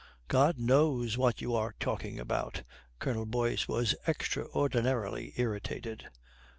"God knows what you are talking about." Colonel Boyce was extraordinarily irritated.